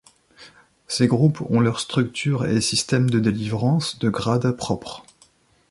Ces groupes ont leurs structures et systèmes de délivrance de grades propres.